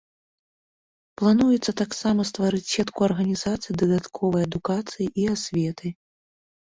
Плануецца таксама стварыць сетку арганізацый дадатковай адукацыі і асветы.